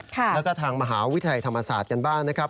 แล้วก็ทางมหาวิทยาลัยธรรมศาสตร์กันบ้างนะครับ